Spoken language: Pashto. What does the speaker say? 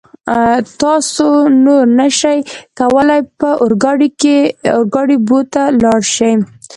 تاسو نور نشئ کولای په اورګاډي کې بو ته لاړ شئ.